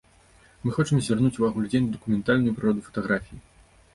Мы хочам звярнуць увагу людзей на дакументальную прыроду фатаграфіі.